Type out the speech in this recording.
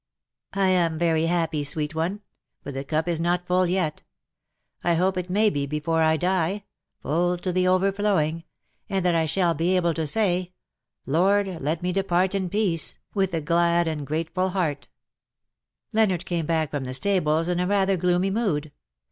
" I am very happy, sweet one ; but the cup is not full yet. I hope it may be before I die — full to overflowing, and that I shall be able to say, ' Lord, let me depart in peace,^ with a glad and grateful heart/' Leonard came back from the stables in a rather gloomy mood.